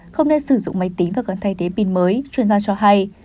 không nên sử dụng máy tính và cần thay thế pin mới chuyên gia cho hay